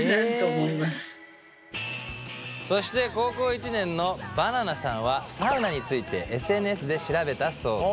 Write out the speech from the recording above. そして高校１年のバナナさんはサウナについてＳＮＳで調べたそうで。